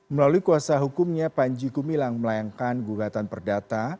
melalui kuasa hukumnya panji gumilang melayangkan gugatan perdata